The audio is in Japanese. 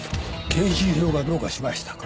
検針票がどうかしましたか？